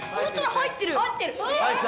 入ってる。